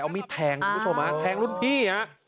เอามีแทงท์รุ่นพี่